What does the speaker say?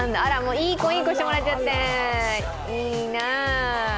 いい子いい子してもらっちゃっていいなあ。